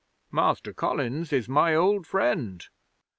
Master Collins is my old friend."